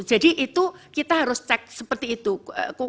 jadi itu kita harus cek seperti itu